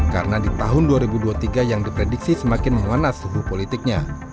karena di tahun dua ribu dua puluh tiga yang diprediksi semakin memanas suhu politiknya